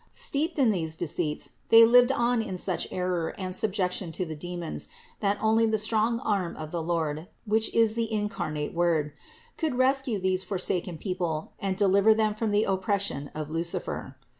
Steeped in these deceits, they lived on in such error and subjection to the demons, that only the strong arm of the Lord (which is the incarnate Word) could res cue these forsaken people and deliver them from the op pression of Lucifer.